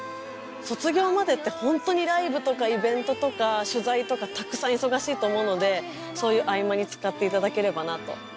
卒業までってホントにライブとかイベントとか取材とかたくさん忙しいと思うのでそういう合間に使っていただければなと。